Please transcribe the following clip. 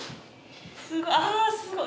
あすごい！